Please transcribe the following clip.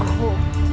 dewa tak aku